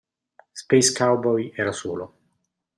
Space Cowboy era solo.